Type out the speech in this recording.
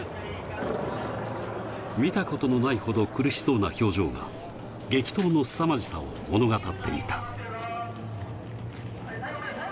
見たことのないほど苦しそうな表情が激闘のすさまじいさを物語っていた。